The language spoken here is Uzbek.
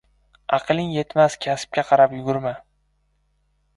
Aqling yetmas kasbga qarab yugurma